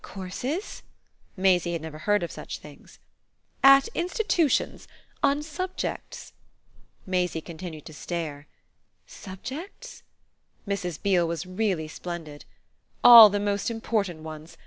"Courses?" Maisie had never heard of such things. "At institutions on subjects." Maisie continued to stare. "Subjects?" Mrs. Beale was really splendid. "All the most important ones.